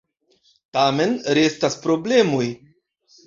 Tamen restas problemoj.